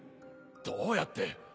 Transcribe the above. どうやって？